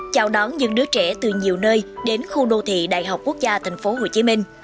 chào đón những đứa trẻ từ nhiều nơi đến khu đô thị đại học quốc gia tp hcm